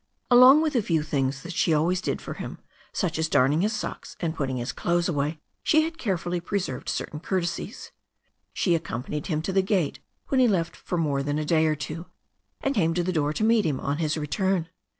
Along with a few things that she always did for him, such as darning his socks and putting his clothes away, she had care fully preserved certain courtesies. She accompanied him to the gate when he left for more than a day or two, and came to the door to meet him on his return.